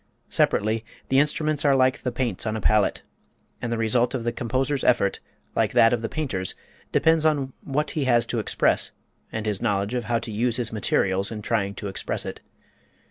Separately, the instruments are like the paints on a palette, and the result of the composer's effort, like that of the painter's, depends upon what he has to express and his knowledge of how to use his materials in trying to express it.